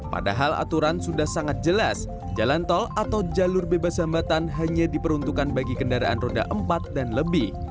padahal aturan sudah sangat jelas jalan tol atau jalur bebas hambatan hanya diperuntukkan bagi kendaraan roda empat dan lebih